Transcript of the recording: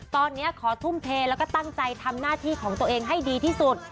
ตอนนี้ขอทุ่มเทแล้วก็ตั้งใจทำหน้าที่ของตัวเองให้ดีที่สุด